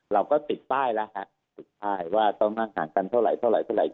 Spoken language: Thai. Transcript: เราก็ติดป้ายแล้วฮะติดป้ายว่าต้องนั่งห่างกันเท่าไหร่